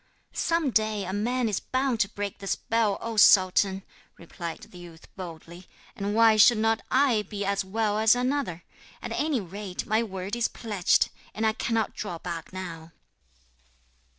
'Some day a man is bound to break the spell, O sultan,' replied the youth boldly; 'and why should not I be he as well as another? At any rate, my word is pledged, and I cannot draw back now.'